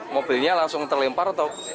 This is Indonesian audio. mobilnya langsung terlempar